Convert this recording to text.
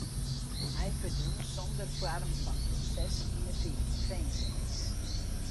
Hja ferdwûn sonder foarm fan proses yn de finzenis.